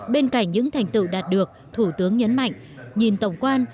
bên cạnh những thành tựu đạt được thủ tướng nhấn mạnh nhìn tổng quan